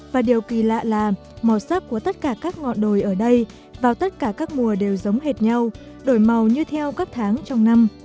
và điều kỳ lạ làm màu sắc của tất cả các ngọn đồi ở đây vào tất cả các mùa đều giống hệt nhau đổi màu như theo các tháng trong năm